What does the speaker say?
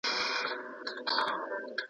هغه مرسته غواړي